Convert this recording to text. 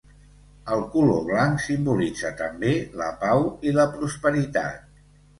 El color blanc simbolitza també la pau i la prosperitat.